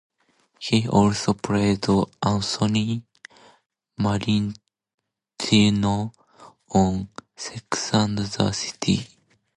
He also played Anthony Marentino on "Sex and the City".